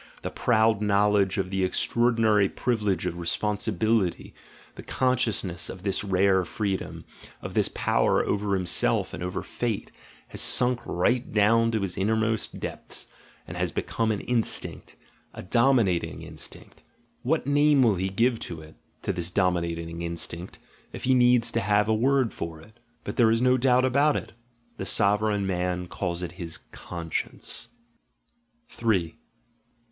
The proud knowledge of the extraordinary privilege of responsibility, the con sciousness of this rare freedom, of this power over him self and over fate, has sunk right down to his innermost depths, and has become an instinct, a dominating instinct — what name will he give to it, to this dominating instinct, if he needs to have a word for it? But there is no doubt about it — the sovereign man calls it his conscience.